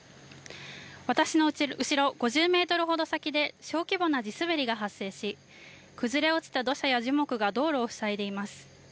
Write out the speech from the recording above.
私の後ろ５０メートルほど先で小規模な地滑りが発生し崩れ落ちた土砂や樹木が道路を塞いでいます。